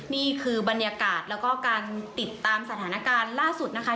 นี่คือบรรยากาศแล้วก็การติดตามสถานการณ์ล่าสุดนะคะ